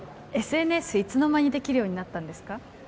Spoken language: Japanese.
いつの間にできるようになったんですか？